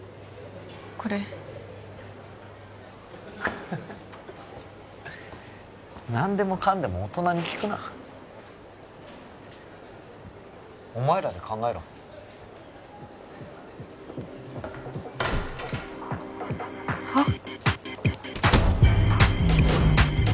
これフフフ何でもかんでも大人に聞くなお前らで考えろはっ？